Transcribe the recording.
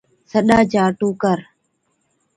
سڏا چا ٽُوڪر